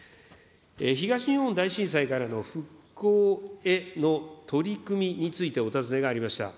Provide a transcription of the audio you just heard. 東日本大震災からの復興への取り組みについて、お尋ねがありました。